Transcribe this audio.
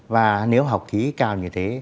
và nếu học phí cao như thế